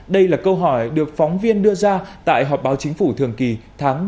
đây là câu hỏi được phóng viên đưa ra tại họp báo chính phủ thường kỳ tháng bảy năm hai nghìn hai mươi